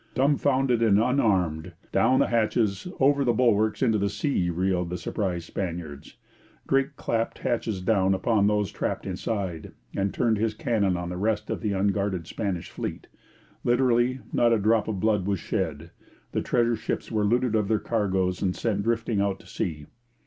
Dumbfounded and unarmed, down the hatches, over the bulwarks into the sea, reeled the surprised Spaniards. Drake clapped hatches down upon those trapped inside, and turned his cannon on the rest of the unguarded Spanish fleet. Literally, not a drop of blood was shed. The treasure ships were looted of their cargoes and sent drifting out to sea.